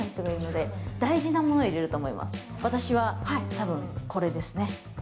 私は多分、これですね。